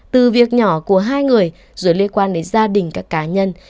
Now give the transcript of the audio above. từ việc nhỏ của hai người rồi liên quan đến gia đình các cá nhân